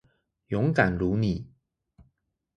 勇敢如妳